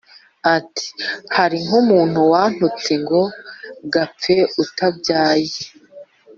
ati “hari nk’umuntu wantutse ngo ‘gapfe utabyaye’!